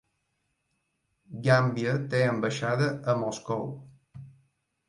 Gàmbia té ambaixada a Moscou.